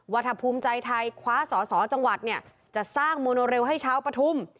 วัฒนภูมิใจไทยขว้าส้อจังหวัดจะสร้างมโนเรลให้เช้าประทุม